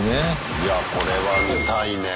いやこれは見たいねぇ。